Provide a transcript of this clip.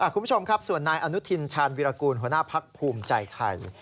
คุณผู้ชมครับส่วนนายอนุทินชาญวิรากูลหัวหน้าพักภูมิใจไทย